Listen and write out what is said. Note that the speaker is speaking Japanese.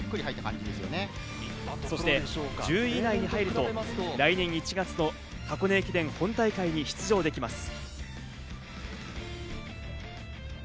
そして１０位以内に入ると来年１月の箱根駅伝本大会に出場できます。